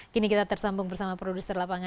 kini kita tersambung bersama produser lapangan